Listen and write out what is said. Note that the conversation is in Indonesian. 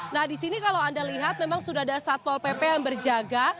nah di sini kalau anda lihat memang sudah ada satpol pp yang berjaga